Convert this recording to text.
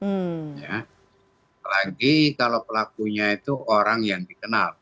jadi ini akan menjadi hal yang lebih mudah lagi kalau pelakunya itu orang yang dikenal